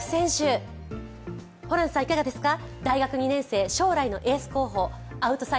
ホランさん、いかがですか？